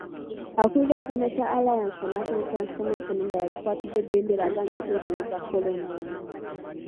Akulira ekibiina kya Alliance for National Transformation nga y'akikwatidde bbendera agaanye okwekebeza kolona.